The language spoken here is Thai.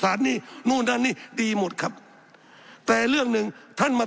สับขาหลอกกันไปสับขาหลอกกันไป